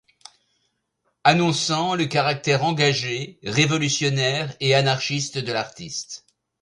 Annonçant le caractère engagé, révolutionnaire et anarchiste de l'artiste.